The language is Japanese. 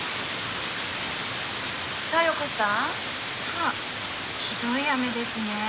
はぁひどい雨ですね。